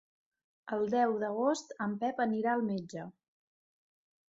El deu d'agost en Pep anirà al metge.